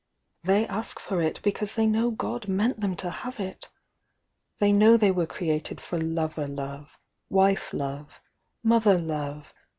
"They ask for it because they know God meant them to hav^ it! They know they were created for lover love, wife love mothw love.